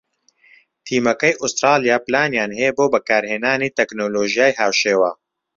تیمەکەی ئوسترالیا پلانیان هەیە بۆ بەکارهێنانی تەکنۆلۆژیای هاوشێوە